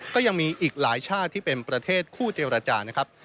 ก็ยังมีอีกหลายชาติที่เป็นประเทศคู่เจรจานะครับ